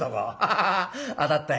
ハハハハ当たったい」。